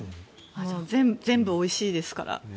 全部おいしいですから。